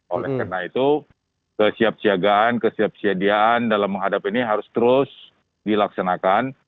oleh karena itu kesiap siagaan kesiap siadian dalam menghadap ini harus terus dilaksanakan